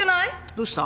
どうした？